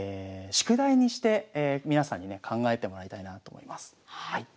宿題にして皆さんにね考えてもらいたいなと思います。